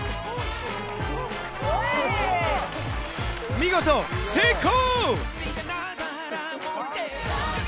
見事成功！